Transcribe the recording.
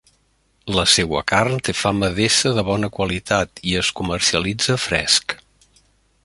La seua carn té fama d'ésser de bona qualitat i es comercialitza fresc.